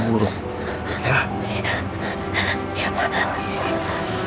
semua orang datang ya